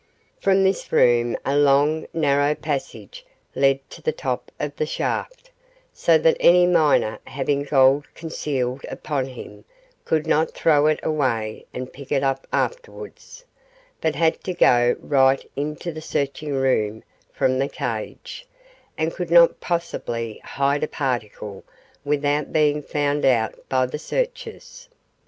From this room a long, narrow passage led to the top of the shaft, so that any miner having gold concealed upon him could not throw it away and pick it up afterwards, but had to go right into the searching room from the cage, and could not possibly hide a particle without being found out by the searchers.